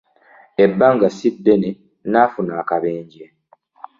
Ebbanga si ddene n'afuna akabenje.